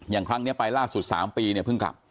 อย่างครั้งนี้ไปล่าสุด๓ปีเนี่ยเพิ่งกลับ